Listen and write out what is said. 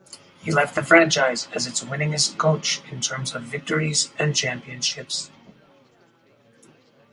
He left the franchise as its winningest coach in terms of victories and championships.